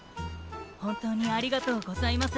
ほんとうにありがとうございます。